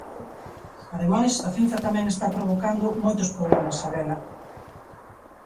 Ademais, a cinza tamén está provocando moitos problemas, Sabela.